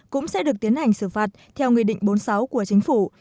cũng sẽ được tiến hành xử phạt theo nghị định bốn mươi sáu của chính phủ